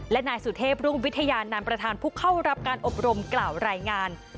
และนายสุเทพรุ่งวิทยานานันประธานผู้เข้ารับการอบรมกล่าวรายงาน